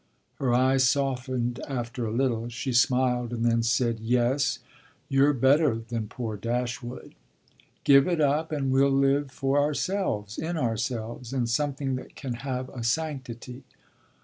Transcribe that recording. Her eyes softened after a little; she smiled and then said: "Yes, you're better than poor Dashwood." "Give it up and we'll live for ourselves, in ourselves, in something that can have a sanctity."